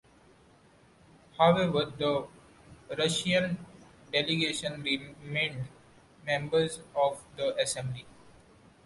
However, the Russian delegation remained members of the Assembly.